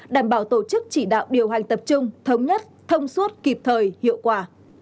đảm bảo tổ chức chỉ đạo điều hành tập trung thống nhất thông suốt kịp thời hiệu quả